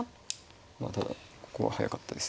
まあただここは速かったです。